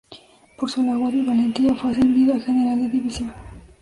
Por su labor y valentía, fue ascendido a general de división.